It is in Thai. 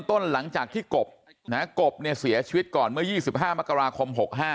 ต้นหลังจากที่กบกบเนี่ยเสียชีวิตก่อนเมื่อ๒๕มกราคม๖๕